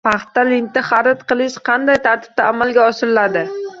Paxta linti xarid qilish qanday tartibda amalga oshiriladi?